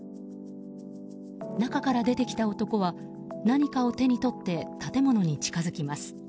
中から出てきた男は何かを手に取って建物に近づきます。